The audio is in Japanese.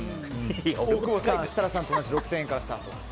大久保さんは設楽さんと同じ６０００円からスタート。